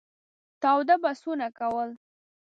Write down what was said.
تاوده بحثونه کول.